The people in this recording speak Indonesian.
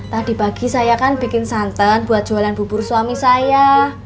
tadi pagi saya kan bikin santan buat jualan bubur suami saya